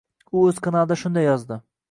U oʻz kanalida shunday yozdi.